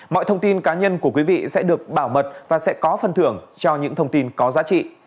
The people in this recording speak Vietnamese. mọi thông tin cá nhân của quý vị sẽ được bảo mật và sẽ có phần thưởng cho những thông tin có giá trị